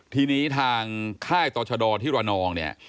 ทีนี้ทางค่ายต่อชะดอที่ระนองเนี่ย